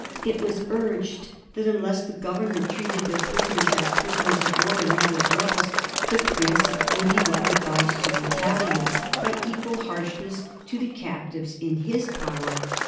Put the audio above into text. It was urged that unless the Government treated their prisoners as pris oners of war and not as rebels, the prince would be well advised to retaliate by equal harshness to the captives in his power.